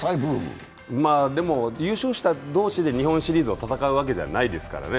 でも優勝した同士で日本シリーズは戦うわけじゃないですからね。